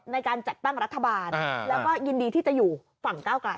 ในการจัดตั้งรัฐบาลแล้วก็ยินดีที่จะอยู่ฝั่งก้าวกลาย